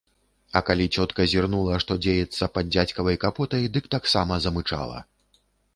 А калі цётка зірнула, што дзеецца пад дзядзькавай капотай, дык таксама замычала.